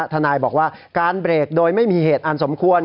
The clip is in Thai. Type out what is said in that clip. ทนายบอกว่าการเบรกโดยไม่มีเหตุอันสมควร